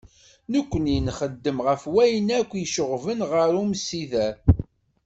Nekni, nxeddem ɣef wayen yakk icuɣben ɣer umsider.